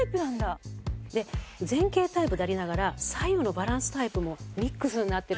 で前傾タイプでありながら左右のバランスタイプもミックスになってる。